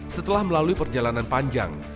setelah melalui perjalanan panjang